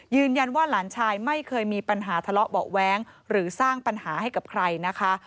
หลานชายไม่เคยมีปัญหาทะเลาะเบาะแว้งหรือสร้างปัญหาให้กับใครนะคะ